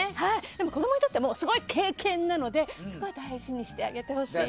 でも子供にとってはすごい経験なのでそこは大事にしてあげてほしい。